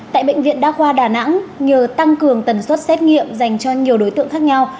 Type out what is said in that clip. tại bệnh viện đa khoa đà nẵng nhờ tăng cường tần suất xét nghiệm dành cho nhiều đối tượng khác nhau